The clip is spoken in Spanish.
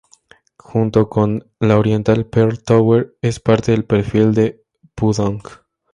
Junto con la Oriental Pearl Tower, es parte del "perfil" de Pudong.